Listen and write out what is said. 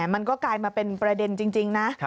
มันก็กลายมาเป็นประเด็นจริงนะ